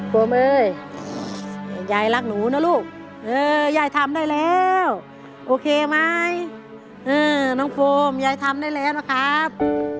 โฟมเอ้ยยายรักหนูนะลูกยายทำได้แล้วโอเคไหมน้องโฟมยายทำได้แล้วนะครับ